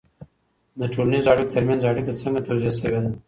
د ټولنیزو اړیکو ترمنځ اړیکه څنګه توضیح سوې ده؟